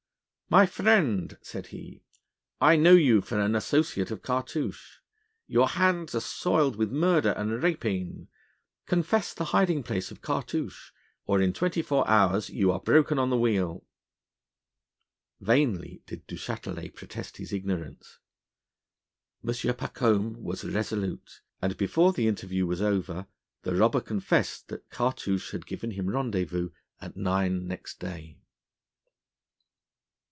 'My friend,' said he, 'I know you for an associate of Cartouche. Your hands are soiled with murder and rapine. Confess the hiding place of Cartouche, or in twenty four hours you are broken on the wheel.' Vainly did Du Châtelet protest his ignorance. M. Pacôme was resolute, and before the interview was over the robber confessed that Cartouche had given him rendezvous at nine next day.